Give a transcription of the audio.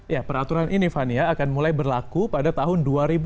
ya peraturan ini fania akan mulai berlaku pada tahun dua ribu dua puluh